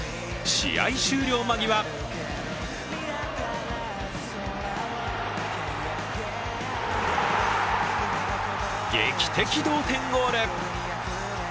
試合終了間際劇的同点ゴール。